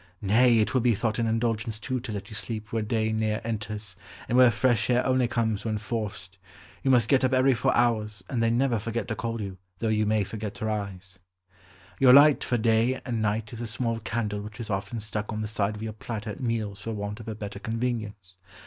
Nay, it will be thought an indulgence too to let you sleep where day ne'er enters; and where fresh air only comes when forced. You must get up every four hours, and they never forget to call you, though you may forget to rise. "Your light for day and night is a small candle which is often stuck on the side of your platter at meals for want of a better convenience.